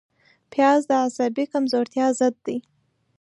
پیاز د عصبي کمزورتیا ضد دی